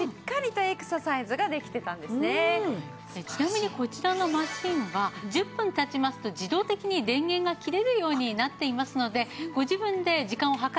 ちなみにこちらのマシンは１０分経ちますと自動的に電源が切れるようになっていますのでご自分で時間を計る必要はありません。